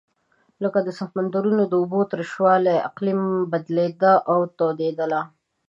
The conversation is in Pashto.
لکه د سمندرونو د اوبو تروش والۍ اقلیم بدلېده او تودوالی.